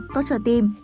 sáu tốt cho tim